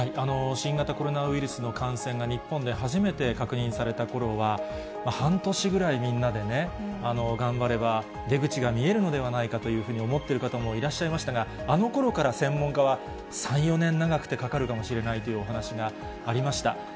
新型コロナウイルスの感染が日本で初めて確認されたころは、半年ぐらいみんなでね、頑張れば、出口が見えるのではないかというふうに思ってる方もいらっしゃいましたが、あのころから専門家は、３、４年長くてかかるかもしれないというお話がありました。